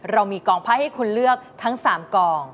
เรามีกองไพ่ให้คุณเลือกทั้ง๓กอง